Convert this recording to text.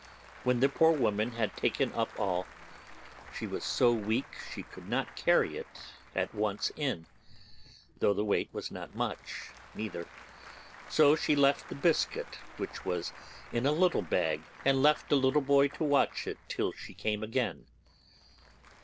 When the poor woman had taken up all, she was so weak she could not carry it at once in, though the weight was not much neither; so she left the biscuit, which was in a little bag, and left a little boy to watch it till she came again.